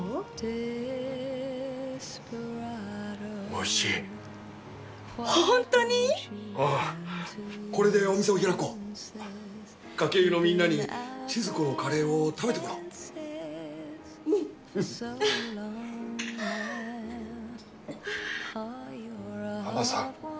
おいしいこれでお店を開こう鹿教湯のみんなに千鶴子のカレーを食べて濱さん。